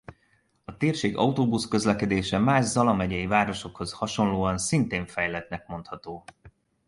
A térség autóbusz-közlekedése más Zala megyei városokéhoz hasonlóan szintén fejlettnek mondható.